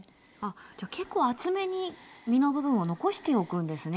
じゃ結構厚めに身の部分を残しておくんですね。